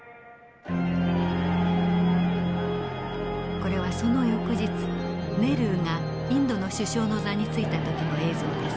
これはその翌日ネルーがインドの首相の座に就いた時の映像です。